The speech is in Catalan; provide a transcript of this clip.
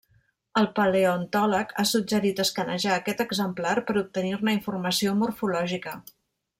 El paleontòleg ha suggerit escanejar aquest exemplar per obtenir-ne informació morfològica.